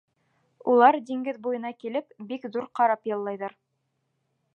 Улар, диңгеҙ буйына килеп, бик ҙур карап яллайҙар.